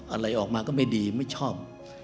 อะไรออกมาก็ไม่ดีไม่ชอบ